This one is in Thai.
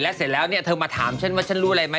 เสร็จแล้วเนี่ยเธอมาถามฉันว่าฉันรู้อะไรไหม